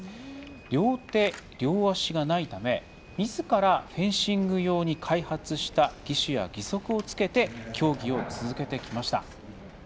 両手、両足がないためみずからフェンシング用に開発した義手や義足をつけて競技を続けてきました。